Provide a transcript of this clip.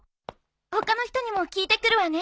他の人にも聞いてくるわね。